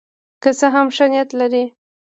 که څه هم ښه نیت لري.